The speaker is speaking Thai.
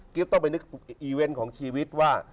คิดว่าต้องไปนึกกับอีเวนของชีวิตว่า